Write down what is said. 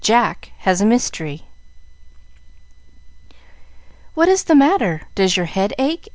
Jack Has a Mystery "What is the matter? Does your head ache?"